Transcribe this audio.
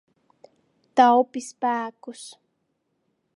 Taupi spēkus.